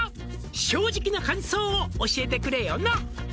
「正直な感想を教えてくれよな」